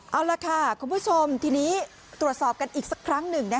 เอาล่ะค่ะคุณผู้ชมทีนี้ตรวจสอบกันอีกสักครั้งหนึ่ง